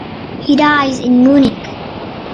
He dies in Munich.